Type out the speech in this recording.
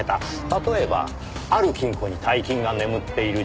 例えばある金庫に大金が眠っている。